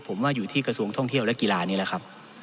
ผมว่าอยู่ที่กระทรวงท่องเที่ยวและกีฬานี้แหละครับ